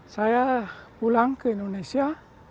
saya pulang ke indonesia